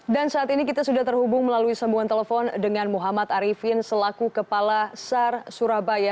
dan saat ini kita sudah terhubung melalui sambungan telepon dengan muhammad arifin selaku kepala sar surabaya